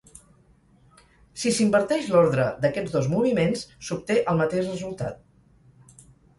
Si s'inverteix l'ordre d'aquests dos moviments, s'obté el mateix resultat.